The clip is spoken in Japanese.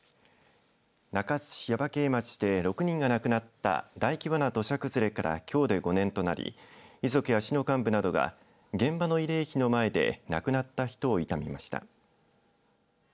中津市耶馬渓町で６人が亡くなった大規模な土砂崩れからきょうで５年となり遺族や市の幹部などが現場の慰霊碑の前で亡くなった人を悼みました。